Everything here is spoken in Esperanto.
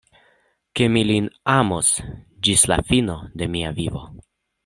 Ke mi lin amos ĝis la fino de mia vivo.